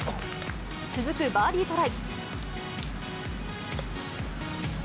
続くバーディートライ。